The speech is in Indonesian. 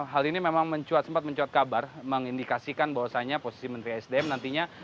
hal ini memang mencuat sempat mencuat kabar mengindikasikan bahwasannya posisi menteri sdm nantinya